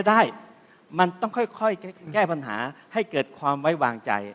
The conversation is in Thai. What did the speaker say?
ได้มันต้องค่อยแก้ปัญหาให้เกิดความไว้วางใจ